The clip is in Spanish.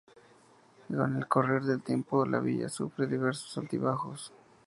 Con el correr del tiempo la villa sufre diversos altibajos.